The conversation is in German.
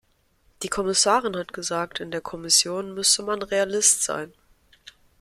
Die Kommissarin hat gesagt, in der Kommission müsse man Realist sein.